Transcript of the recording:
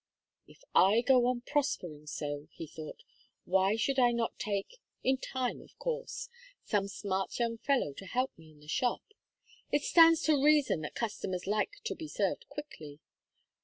"If I go on prospering so," he thought, "why should I not take in time, of course some smart young fellow to help me in the shop? It stands to reason that customers like to be served quickly.